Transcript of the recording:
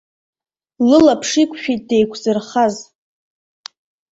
Лылаԥш иқәшәеит деиқәзырхаз.